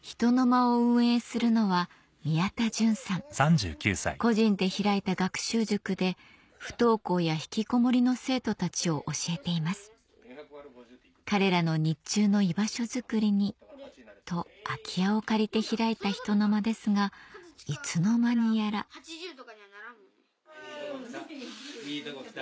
ひとのまを運営するのは宮田隼さん個人で開いた学習塾で不登校や引きこもりの生徒たちを教えています彼らの日中の居場所づくりにと空き家を借りて開いたひとのまですがいつの間にやらいいとこ来た。